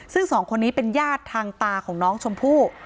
ซึ่งสองคนนี้เป็นญาติทางตาของน้องชมพู่